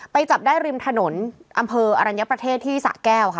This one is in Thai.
จับได้ริมถนนอำเภออรัญญประเทศที่สะแก้วค่ะ